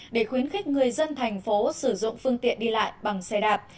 để khuyến khích người dân thành phố sử dụng phương tiện đi lại bằng xe đạp